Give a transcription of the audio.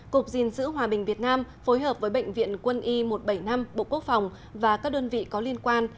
cục diện giữ hòa bình việt nam phối hợp với bệnh viện quân y một trăm bảy mươi năm bộ quốc phòng và các đơn vị có liên quan